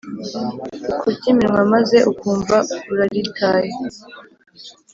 ukarya iminwa, maze ukumva uraritaye?